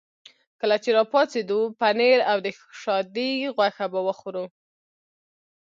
کله چې را پاڅېدو پنیر او د شادي غوښه به وخورو.